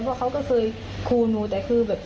เพราะเขาก็เคยครูหนูแต่คือแบบ